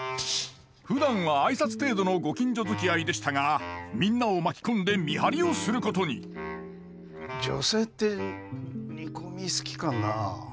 ふだんは挨拶程度のご近所づきあいでしたがみんなを巻き込んで見張りをすることに女性って煮込み好きかなあ。